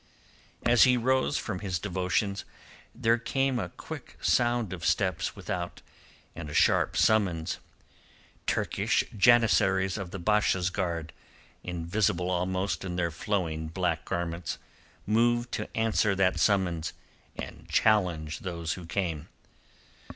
As he rose from his devotions, there came a quick sound of steps without, and a sharp summons. Turkish janissaries of the Basha's guard, invisible almost in their flowing black garments, moved to answer that summons and challenge those who came.